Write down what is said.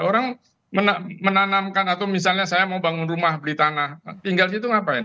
orang menanamkan atau misalnya saya mau bangun rumah beli tanah tinggal di situ ngapain